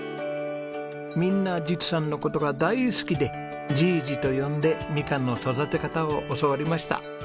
みんな実さんの事が大好きで「じぃじ」と呼んでみかんの育て方を教わりました。